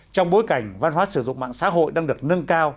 trong bối cảnh văn hóa sử dụng mạng xã hội đang được nâng cao